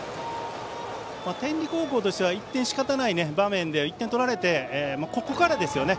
天理高校としては１点、しかたない場面で１点を取られてここからですね。